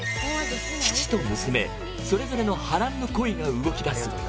父と娘それぞれの波乱の恋が動きだす！